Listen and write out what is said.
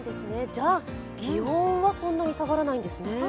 じゃ、気温はそんなに下がらないんですね。